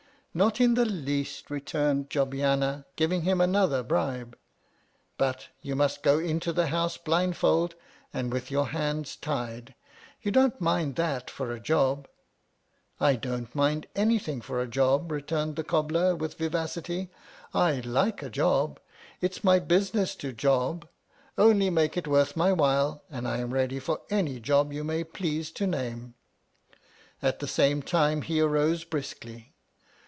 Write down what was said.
Not in the least, returned Jobbiana, giving him another bribe. But, you must go into the House blindfold and with your hands tied ; you don't mind that for a job ? I don't mind anything for a job, returned the cobbler with vivacity ; I like a job. It is my business to job ; only make it worth my while, and I am ready for any job you may please to name. At the same time he arose briskly.